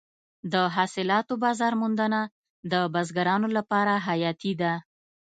د حاصلاتو بازار موندنه د بزګرانو لپاره حیاتي ده.